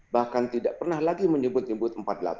bahkan tidak pernah lagi menyebut nyebut empat puluh delapan